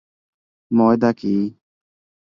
ময়দা কী?